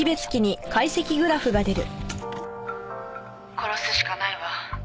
「殺すしかないわ」